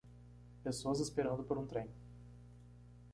Pessoas esperando por um trem.